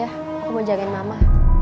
aku mau jagain mama